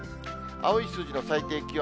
青い数字の最低気温。